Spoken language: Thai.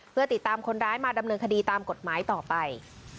เพื่อติดตามคนร้ายมาดำเนินคดีตามกฎหมายต่อไป